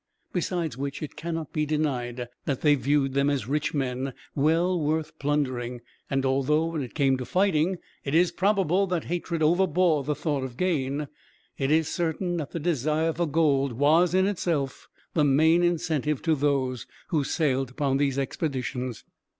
Besides which, it cannot be denied that they viewed them as rich men, well worth plundering; and although, when it came to fighting, it is probable that hatred overbore the thought of gain, it is certain that the desire for gold was, in itself, the main incentive to those who sailed upon these expeditions.